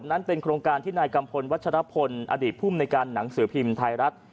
นั้นเป็นโครงการที่นายกัมพลวัชรพลอดีตภูมิในการหนังสือพิมพ์ไทยรัฐ